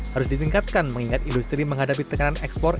harus ditingkatkan mengingat industri menghadapi tekanan ekspor